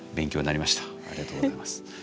ありがとうございます。